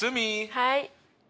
はい。